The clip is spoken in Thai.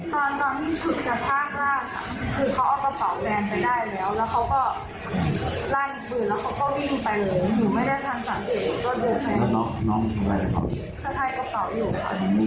ตอนนั้นที่ชุดกระชากล้างค่ะคือเขาเอากระเป๋าแวนไปได้แล้วแล้วเขาก็ไล่ปืนแล้วเขาก็วิ่งไปเลย